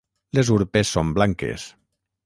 Les urpes són blanques.